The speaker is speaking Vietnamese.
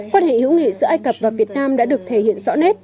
quan hệ hữu nghị giữa ai cập và việt nam đã được thể hiện rõ nét